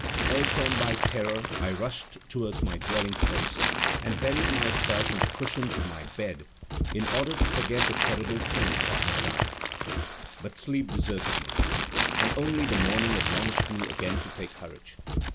Urged on by terror, I rushed towards my dwelling place, and buried myself in the cushions of my bed, in order to forget the terrible thing that I had done. But sleep deserted me, and only the morning admonished me again to take courage.